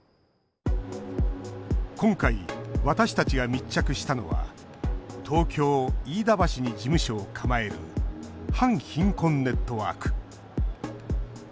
今回、私たちが密着したのは東京・飯田橋に事務所を構える反貧困ネットワーク。